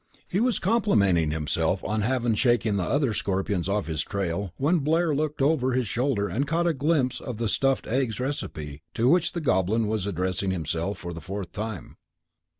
He was complimenting himself on having shaken the other Scorpions off his trail when Blair looked over his shoulder and caught a glimpse of the stuffed eggs recipe to which the Goblin was addressing himself for the fourth time.